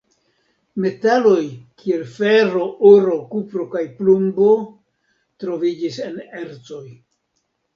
Metaloj kiel fero, oro, kupro kaj plumbo troviĝis en ercoj.